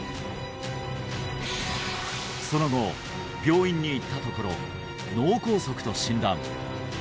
その後病院に行ったところ脳梗塞と診断